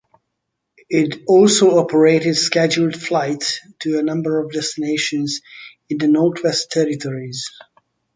It also operated scheduled flights to a number of destinations in the Northwest Territories.